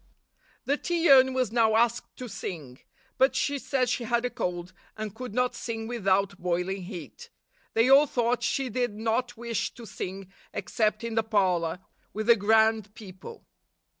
The tea urn was now asked to sing; but she said she had a cold, and could not sing without boiling heat. They all thought she did not wish to sing except in the parlor, with the grand people.